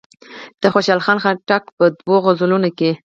د خوشحال خان خټک په دوو غزلونو کې.